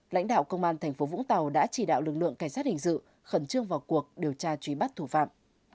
lãnh đạo công an thành phố vũng tàu đã chỉ đạo lực lượng cảnh sát hình sự khẩn trương vào cuộc điều tra trúy bắt thủ phạm